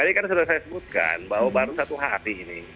tadi kan sudah saya sebutkan bahwa baru satu hp ini